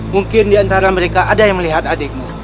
mungkin di antara mereka ada yang melihat adikmu